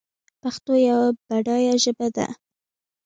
پښتو یوه بډایه ژبه ده